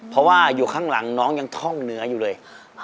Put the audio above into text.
เพราะว่าอยู่ข้างหลังน้องยังท่องเหนืออยู่เลย